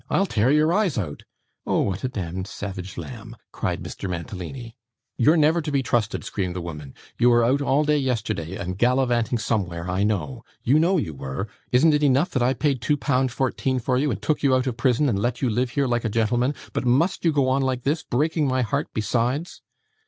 'I'll tear your eyes out!' 'Oh! What a demd savage lamb!' cried Mr. Mantalini. 'You're never to be trusted,' screamed the woman; 'you were out all day yesterday, and gallivanting somewhere I know. You know you were! Isn't it enough that I paid two pound fourteen for you, and took you out of prison and let you live here like a gentleman, but must you go on like this: breaking my heart besides?